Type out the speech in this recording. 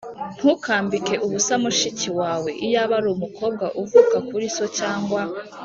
Ntukambike ubusa mushiki wawe i yaba ari umukobwa uvuka kuri so cyangwa